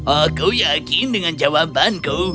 aku yakin dengan jawabanku